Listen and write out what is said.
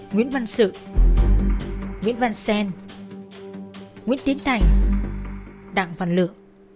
nguyễn văn sự nguyễn văn xen nguyễn tiến thành đặng văn lựa